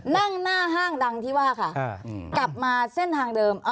นั่งหน้าห้างดังที่ว่าค่ะกลับมาเส้นทางเดิม